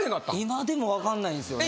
今でも分かんないんですよね。